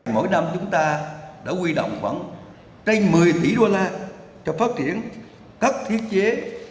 mỗi năm chúng ta đã quy động khoảng trên một mươi tỷ đô la cho phát triển các thiết chế